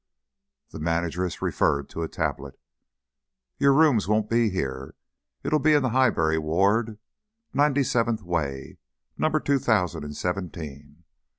The manageress referred to a tablet. "Y'r rooms won't be here; it'll be in the Highbury Ward, Ninety seventh Way, number two thousand and seventeen.